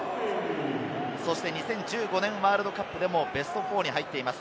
そして２０１５年ワールドカップでもベスト４に入っています。